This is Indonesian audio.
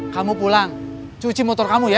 kamu pulang cuci motor kamu ya